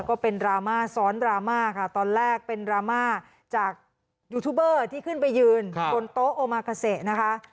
ก็เป็นดราม่าซ้อนดราม่าค่ะตอนแรกเป็นดราม่าจากยูทูบเบอร์ที่ขึ้นไปยืนบนโต๊ะโอมากาเซนะคะ